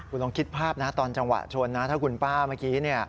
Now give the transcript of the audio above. คุณลองคิดภาพนะตอนจังหวะชนนะถ้าคุณป้าเมื่อกี้